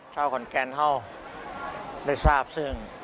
เช่าก่อนแกนเห้าได้สร้าบสึง